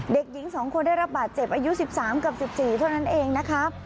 เด็กหญิง๒คนได้รับบาดเจ็บอายุ๑๓กับ๑๔เท่านั้นเองนะครับ